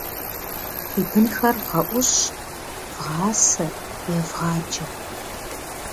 Фи бынхэр вгъэӀущ, вгъасэ, евгъаджэ.